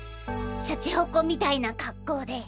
しゃちほこみたいな格好で。